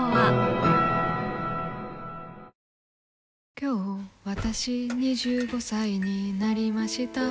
今日わたし、２５歳になりました。